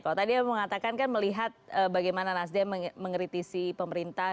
kalau tadi saya mengatakan kan melihat bagaimana nasdeh mengeritisi pemerintah